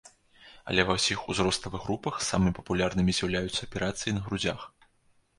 Але ва ўсіх узроставых групах самымі папулярнымі з'яўляюцца аперацыі на грудзях.